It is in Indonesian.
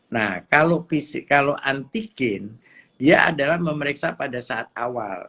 nah kalau antigen dia adalah memeriksa pada saat awal